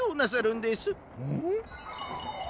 ん？